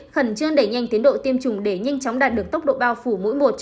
khẩn trương đẩy nhanh tiến độ tiêm chủng để nhanh chóng đạt được tốc độ bao phủ mỗi một